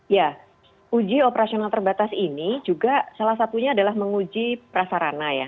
ya uji operasional terbatas ini juga salah satunya adalah menguji prasarana ya